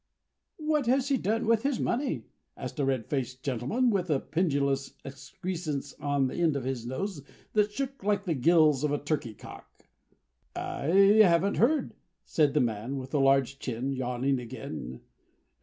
"What has he done with his money?" asked a red faced gentleman with a pendulous excrescence on the end of his nose, that shook like the gills of a turkey cock. "I haven't heard," said the man with the large chin, yawning again.